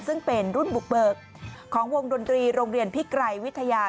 ซึ่งเป็นรุ่นบุกเบิกของวงดนตรีโรงเรียนพิไกรวิทยา